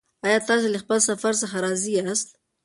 ایا تاسې له خپل سفر څخه راضي یاست؟